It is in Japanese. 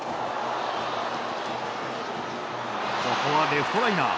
ここはレフトライナー。